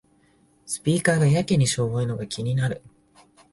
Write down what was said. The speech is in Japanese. スピーカーがやけにしょぼいのが気になる